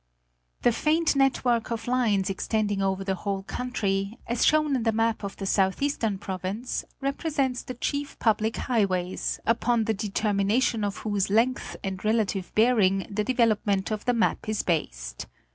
The faint network of lines extending over the whole country, as shown in the map of the southeastern province, represents the chief public highways, upon the determination of whose length and relative bearing the development of the map is based.